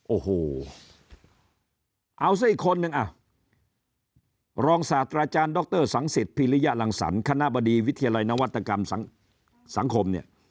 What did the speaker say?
โอ้โหเอาซะอีกคนนึงอ่ะรองศาสตราจารย์ดรสังสิทธิพิริยรังสรรคณะบดีวิทยาลัยนวัตกรรมสังคมเนี่ย